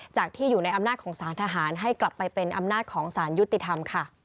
ที่อยู่ในอำนาจของสารทหารให้กลับไปเป็นอำนาจของสารยุติธรรมค่ะ